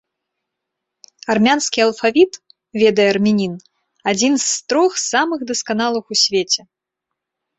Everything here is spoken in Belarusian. Армянскі алфавіт, ведае армянін, адзін з трох самых дасканалых у свеце.